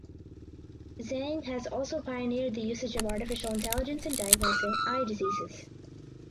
Zhang has also pioneered the usage of artificial intelligence in diagnosing eye diseases.